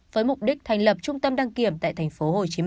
với mục đích thành lập trung tâm đăng kiểm tại tp hcm